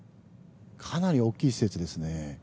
かなり大きい施設ですね。